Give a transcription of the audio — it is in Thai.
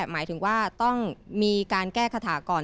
หมายถึงว่าต้องมีการแก้คาถาก่อน